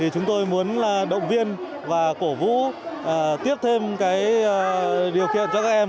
chúng tôi muốn động viên và cổ vũ tiếp thêm điều kiện cho các em